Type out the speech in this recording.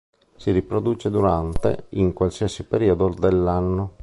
Si riproduce durante in qualsiasi periodo dell'anno.